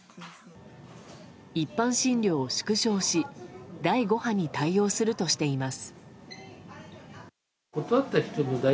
一般診療を縮小し第５波に対応するとしています。